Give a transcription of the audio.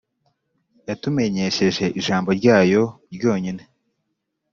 yaturemesheje ijambo ryayo ryonyine;